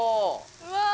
うわ！